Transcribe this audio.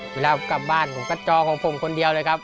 เวลากลับบ้านผมก็จอของผมคนเดียวเลยครับ